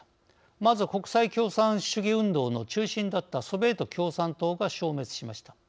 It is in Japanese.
まず国際共産主義運動の中心だったソビエト共産党が消滅しました。